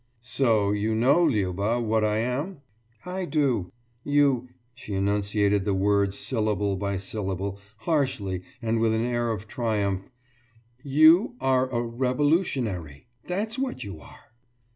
»So you know, Liuba, what I am?« »I do. You« she enunciated the words syllable by syllable, harshly and with an air of triumph »you are a revolutionary! That's what you are!